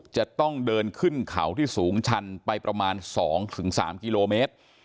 จะต้องเดินขึ้นเขาที่สูงชันไปประมาณ๒๓กิโลเมตร